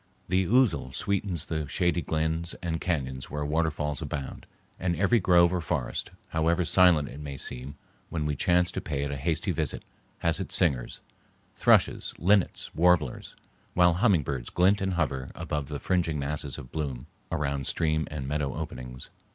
The ousel sweetens the shady glens and cañons where waterfalls abound, and every grove or forest, however silent it may seem when we chance to pay it a hasty visit, has its singers,—thrushes, linnets, warblers,—while hummingbirds glint and hover about the fringing masses of bloom around stream and meadow openings.